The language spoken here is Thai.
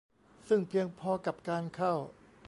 ซึ่งเพียงพอกับการเข้า